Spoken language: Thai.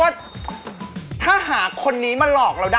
ดีครับ